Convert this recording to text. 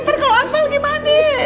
nanti kalau anfal gimana